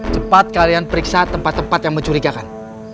cepat kalian periksa tempat tempat yang mencurigakan